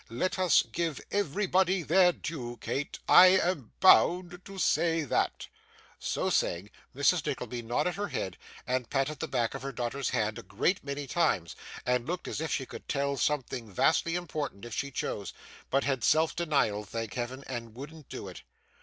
Let us give everybody their due, Kate; I am bound to say that.' So saying, Mrs. Nickleby nodded her head, and patted the back of her daughter's hand, a great many times, and looked as if she could tell something vastly important if she chose, but had self denial, thank Heaven; and wouldn't do it.